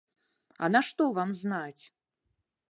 А нашто вам знаць?